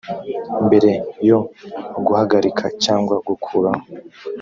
mbere yo guhagarika cyangwa gukuraho